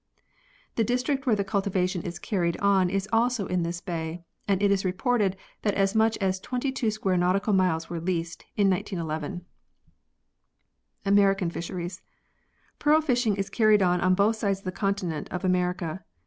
The district where the cultivation is carried on is also in this bay, and it is reported that as much as 22 sq. nautical miles were leased in 1911. American fisheries. Pearl fishing is carried on on both sides of the continent of America.